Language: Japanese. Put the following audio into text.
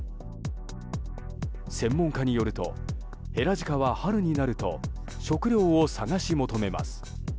専門家によるとヘラジカは春になると食料を探し求めます。